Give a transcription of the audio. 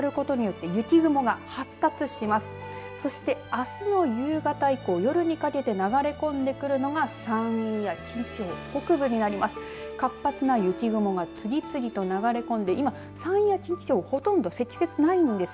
そして、あすの夕方以降夜にかけて流れ込んでくるのが山陰や近畿地方北部になります。